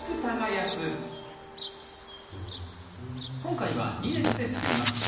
今回は２列で作ります。